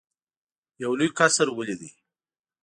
یو لوی قصر ولیدی.